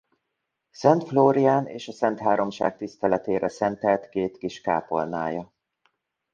Szent Flórián és a Szentháromság tiszteletére szentelt két kis kápolnája.